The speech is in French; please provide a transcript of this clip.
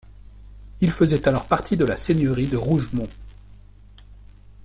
Il faisait alors partie de la seigneurie de Rougemont.